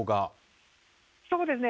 そうですね。